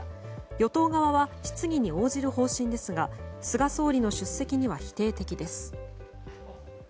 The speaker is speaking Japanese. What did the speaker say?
与党側は質疑に応じる方針ですが菅総理の出席には否定的です。